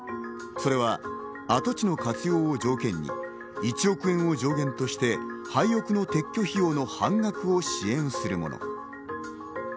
それは跡地の活用を条件に１億円を上限として廃屋の撤去費用の半額を支援するもの。